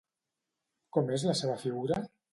Com és la seva figura?